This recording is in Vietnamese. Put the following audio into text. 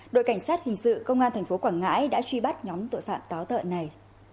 đội cảnh sát hình sự công an tp quảng ngãi đã truy bắt nhóm tội phạm táo tợn này